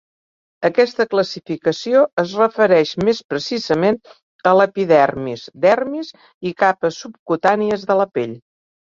Aquesta classificació es refereix més precisament a l'epidermis, dermis i capes subcutànies de la pell.